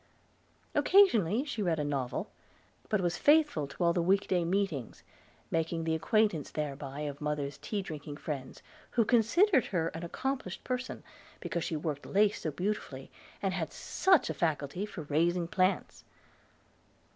Occasionally she read a novel; but was faithful to all the week day meetings, making the acquaintance thereby of mother's tea drinking friends, who considered her an accomplished person, because she worked lace so beautifully, and had such a faculty for raising plants!